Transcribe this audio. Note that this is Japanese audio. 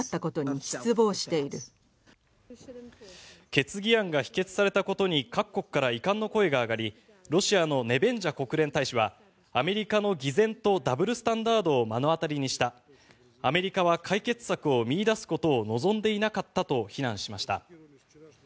決議案が否決されたことに各国から遺憾の声が上がりロシアのネベンジャ国連大使はアメリカの偽善とダブルスタンダードを目の当たりにしたアメリカは解決策を見いだすことを望んでいなかったと非難しました。